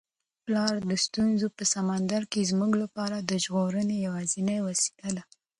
پلار د ستونزو په سمندر کي زموږ لپاره د ژغورنې یوازینۍ وسیله ده.